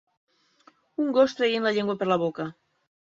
Un gos traient la llengua per la boca.